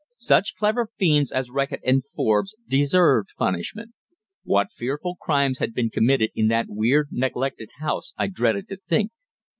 Such clever fiends as Reckitt and Forbes deserved punishment. What fearful crimes had been committed in that weird, neglected house I dreaded to think.